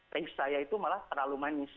teks saya itu malah terlalu manis